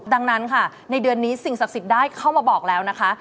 ดังนั้นในเดือนนี้สิ่งทรัพย์สินได้เข้ามาบอกแล้วนะคะ